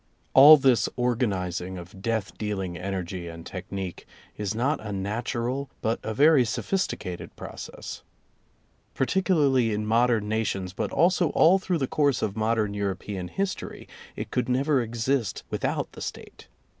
All this organizing of death dealing energy and technique is not a natural but a very sophisticated process. Particularly in modern nations, but also all through the course of modern European his tory, it could never exist without the State.